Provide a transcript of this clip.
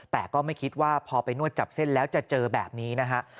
แต่ก็ไม่คิดว่าพอไปนวดจับเส้นแล้วจะเจอแบบนี้นะฮะ